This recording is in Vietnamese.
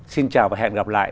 xin chào và hẹn gặp lại